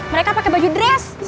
mereka pakai baju dress